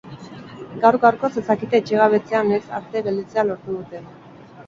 Gaur gaurkoz ez dakite etxegabetzea noiz arte gelditzea lortu duten.